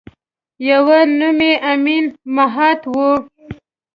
یوه نوم یې امین مهات وه.